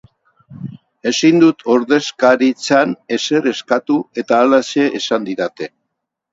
Ezin dut ordezkaritzan ezer eskatu eta halaxe esan didate.